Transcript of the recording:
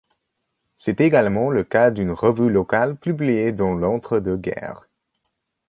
C'est également le cas d'une revue locale publiée dans l'entre-deux guerres.